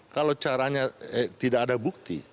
kalau caranya tidak ada bukti